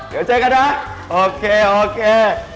เดี๋ยวเจอกันนะโอเค